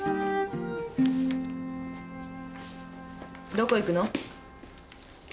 どこ行くの？